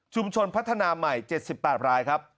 ชุมชนพัฒนาใหม่๗๘รายครับ